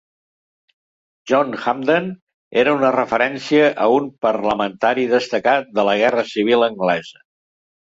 "John Hampden" era una referència a un parlamentari destacat de la Guerra Civil anglesa.